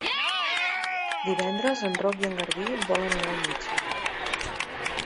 Divendres en Roc i en Garbí volen anar al metge.